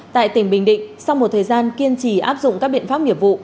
tại tỉnh bình định sau một thời gian kiên trì áp dụng các biện pháp nghiệp vụ